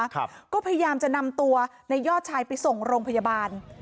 ครับก็พยายามจะนำตัวในยอดชายไปส่งโรงพยาบาล